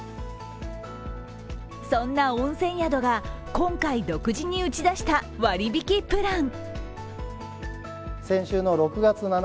そんな温泉宿が今回独自に打ち出した割引きプラン。